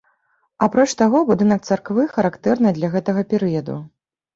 Апроч таго, будынак царквы характэрны для гэтага перыяду.